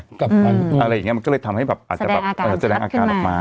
อะไรอย่างนี้มันก็เลยทำให้แบบอาจจะแบบแสดงอาการออกมา